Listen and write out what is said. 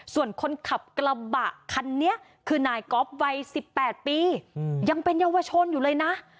ส่วนคนขับกระบะคันนี้คือนายก๊อฟวัย๑๘ปียังเป็นเยาวชนอยู่เลยนะ